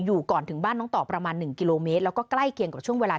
อยู่ก่อนถึงบ้านน้องต่อประมาณ๑กิโลเมตรแล้วก็ใกล้เคียงกับช่วงเวลา